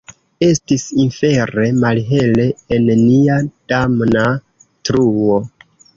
Estis infere malhele en nia damna truo!